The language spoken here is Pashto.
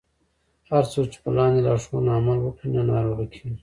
هر څوک چې په لاندې لارښوونو عمل وکړي نه ناروغه کیږي.